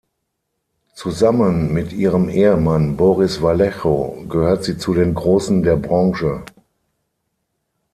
Zusammen mit ihrem Ehemann Boris Vallejo gehört sie zu den Großen der Branche.